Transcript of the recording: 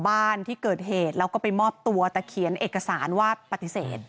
บ้านที่เกิดเหตุแล้วก็ไปมอบตัวแต่เขียนเอกสารว่าปฏิเสธ